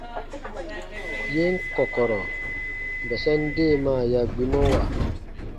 Yen kɔ̀kɔ̀rɔ̀ bɛsɛn deemaa ya gbimɔwa.